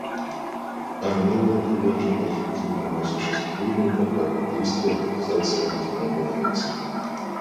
Армения привержена эффективному осуществлению Программы действий Организации Объединенных Наций.